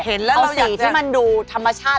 เห็นแล้วเราอยากจะเอาสีที่มันดูธรรมชาติ